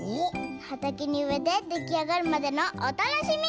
はたけにうえてできあがるまでのおたのしみ！